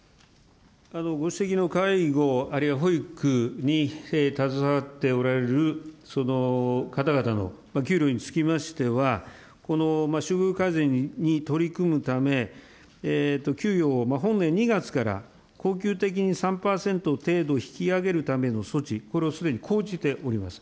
ご指摘の介護あるいは保育に携わっておられる方々の給料につきましては、処遇改善に取り組むため、給与を本年２月から恒久的に３％程度引き上げるための措置、これをすでに講じております。